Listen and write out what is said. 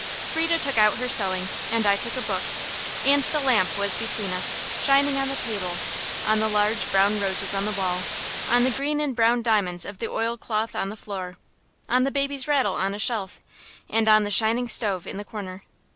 Frieda took out her sewing, and I took a book; and the lamp was between us, shining on the table, on the large brown roses on the wall, on the green and brown diamonds of the oil cloth on the floor, on the baby's rattle on a shelf, and on the shining stove in the corner.